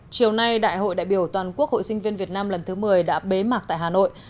chiều nay đại hội đại biểu toàn quốc hội sinh viên việt nam lần thứ một mươi đã bế mạc tại hà nội